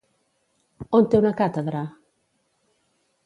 On té una càtedra?